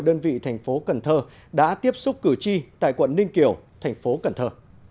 đơn vị thành phố cần thơ đã tiếp xúc cử tri tại quận ninh kiều thành phố cần thơ